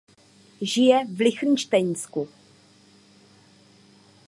Žije v Lichtenštejnsku.